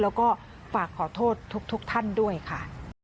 แล้วก็ฝากขอโทษทุกท่านด้วยค่ะ